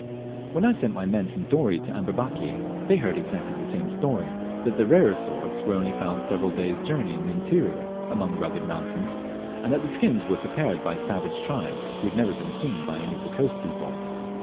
When I sent my men from Dorey to Amberbaki, they heard exactly the same story that the rarer sorts were only found several days' journey in the interior, among rugged mountains, and that the skins were prepared by savage tribes who had never even been seen by any of the coast people.